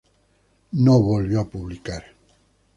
No volvió a publicar.